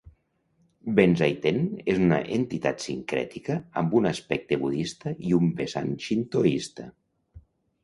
Benzaiten és una entitat sincrètica amb un aspecte budista i un vessant xintoista.